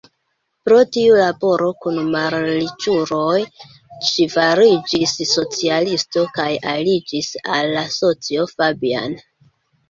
Pro tiu laboro kun malriĉuloj, ŝi fariĝis socialisto kaj aliĝis al la Socio Fabian.